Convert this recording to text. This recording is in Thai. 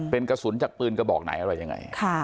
เป็นกระสุนจากปืนกระบอกไหนอะไรยังไง